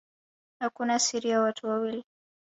Hakuna siri ya watu wawili